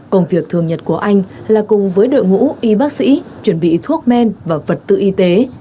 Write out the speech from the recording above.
công việc thường nhật của anh là cùng với đội ngũ y bác sĩ chuẩn bị thuốc men và vật tư y tế